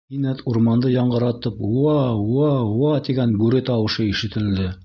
Кинәт урманды яңғыратып уа-а, уа-а, уа-а тигән бүре тауышы ишетелде.